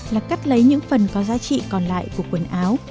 là cắt lấy những phần có giá trị còn lại của quần áo